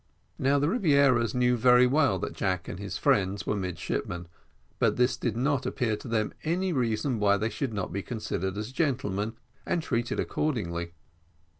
Now the Rebieras knew very well that Jack and his friend were midshipmen; but this did not appear to them any reason why they should not be considered as gentlemen, and treated accordingly.